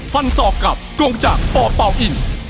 ฟันศอกกับกงจักรปอปเปล่าอิน